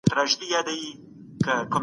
ولي د فکر پراختیا اړینه ده؟